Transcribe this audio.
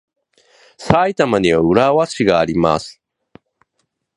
埼玉には浦和市があります。